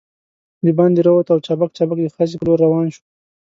دباندې راووتو او چابک چابک د خزې په لور روان شوو.